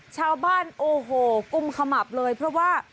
ชาวบ้านโอ้โหกุ้มขมับเลยเพราะว่า